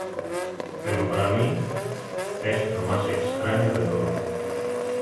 Pero para mi, es lo más extraño de todo.